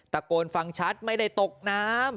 ตะโกนฟังชัดไม่ได้ตกน้ำ